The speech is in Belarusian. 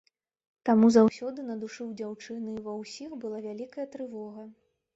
Таму заўсёды на душы ў дзяўчыны і ва ўсіх была вялікая трывога.